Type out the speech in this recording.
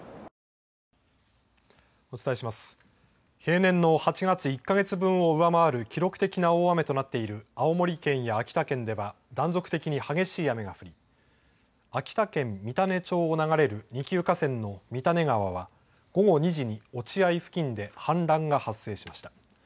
平年の８月１か月分を上回る記録的な大雨となっている青森県や秋田県では断続的に激しい雨が降り、秋田県三種町を流れる二級河川の三種川は午後２時に落合付近で氾濫が発生しました。